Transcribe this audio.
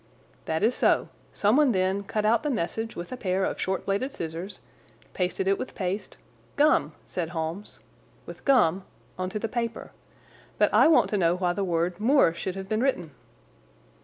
'" "That is so. Someone, then, cut out the message with a pair of short bladed scissors, pasted it with paste—" "Gum," said Holmes. "With gum on to the paper. But I want to know why the word 'moor' should have been written?"